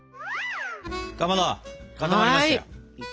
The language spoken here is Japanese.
かまど固まりました。